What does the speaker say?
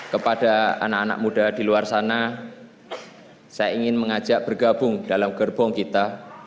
kepada anak anak muda di luar sana saya ingin mengajak bergabung dalam gerbong kita